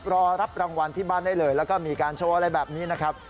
รอรับรางวัลที่บ้านได้เลยแล้วก็มีการโชว์อะไรแบบนี้นะครับ